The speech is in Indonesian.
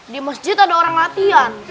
di masjid ada orang latihan